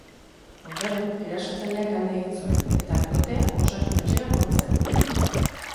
Ondoren, erasotzaileak alde egin zuen, eta bikotea osasun etxera joan zen.